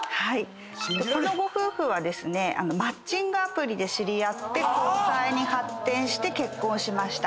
このご夫婦はマッチングアプリで知り合って交際に発展して結婚しました。